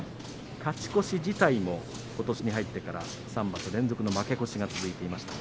勝ち越し自体もことしに入ってから３場所連続の負け越しが続いていました。